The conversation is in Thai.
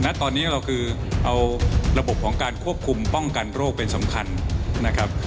ณตอนนี้เราคือเอาระบบของการควบคุมป้องกันโรคเป็นสำคัญนะครับ